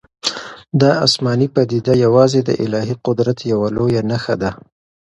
دا آسماني پدیده یوازې د الهي قدرت یوه لویه نښه ده.